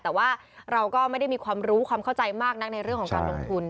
แต่ว่าเราก็ไม่ได้มีความรู้ความเข้าใจมากนักในเรื่องของการลงทุน